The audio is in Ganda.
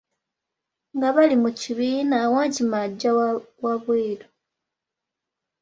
Nga bali mu kibiina, wankima agya wa bweru.